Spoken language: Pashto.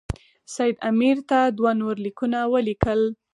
سید امیر ته دوه نور لیکونه ولیکل.